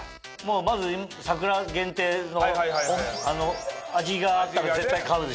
まず桜限定の味があったら絶対買うでしょ。